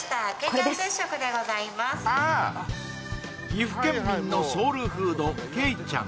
岐阜県民のソウルフード鶏ちゃん